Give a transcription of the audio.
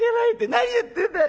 「何言ってんだい